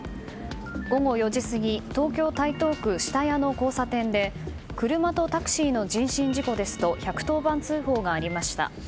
午後４時過ぎ東京・台東区下谷の交差点で車とタクシーの人身事故ですと１１０番通報がありました。